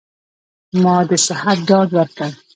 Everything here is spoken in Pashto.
ما د صحت ډاډ ورکړ.